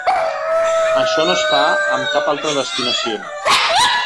Això no es fa amb cap altra destinació.